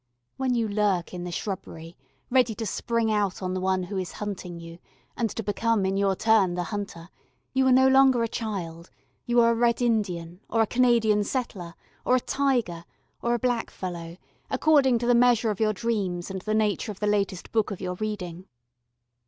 When you lurk in the shrubbery ready to spring out on the one who is hunting you, and to become in your turn the hunter, you are no longer a child, you are a red Indian or a Canadian settler, or a tiger or a black fellow, according to the measure of your dreams and the nature of the latest book of your reading.